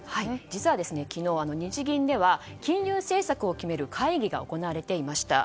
実は昨日、日銀では金融政策を決める会議が行われていました。